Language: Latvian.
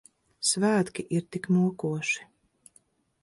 Svētki ir tik mokoši.